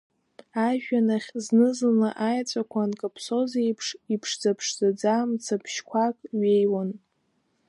Ажәҩан ахь зны-зынла, аеҵәақәа анкаԥсоз еиԥш, иԥшӡа-ԥшӡаӡа мцаԥшьқәак ҩеиуан.